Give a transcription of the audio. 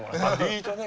ビートね。